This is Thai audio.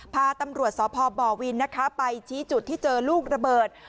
พาตำรวจสพบวินนะคะไปชี้จุดที่เจอลูกระเบิด